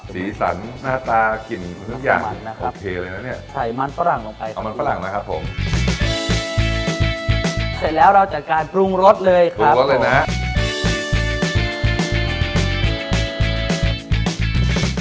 สีสันหน้าตากลิ่นทุกอย่างโอเคเลยนะเนี่ย